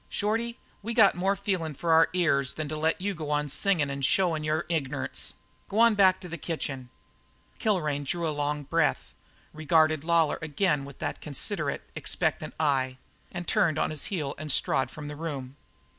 Shorty, we got more feelin' for our ears than to let you go on singin' an' showin' your ignerance. G'wan back to the kitchen!" Kilrain drew a long breath, regarded Lawlor again with that considerate, expectant eye, and then turned on his heel and strode from the room.